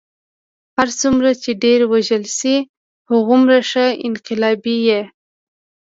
هر څومره چې ډېر وژلی شې هغومره ښه انقلابي یې.